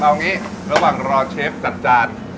เอางี้ระหว่างรอเชฟจัดจาน